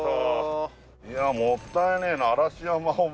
いやもったいねえな嵐山を。